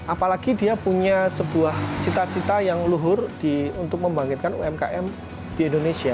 apalagi dia punya sebuah cita cita yang luhur untuk membangkitkan umkm di indonesia